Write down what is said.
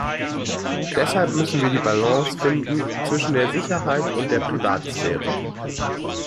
Deshalb müssen wir die Balance finden zwischen der Sicherheit und der Privatsphäre.